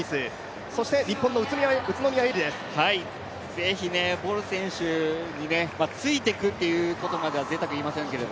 ぜひボル選手についていくということまではぜいたくを言いませんけど